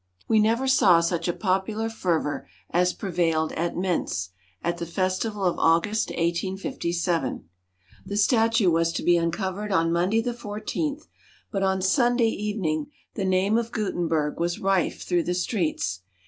"We never saw such a popular fervor as prevailed at Mentz, at the festival of August 1857. The statue was to be uncovered on Monday the 14th; but on Sunday evening the name of Gutenberg was rife through the streets.